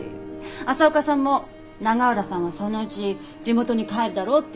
朝岡さんも永浦さんはそのうち地元に帰るだろうって言ってたし。